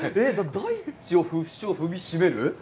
大地を不死鳥踏みしめる？